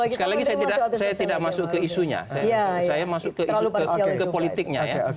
sekali lagi saya tidak masuk ke isunya saya masuk ke isu ke politiknya ya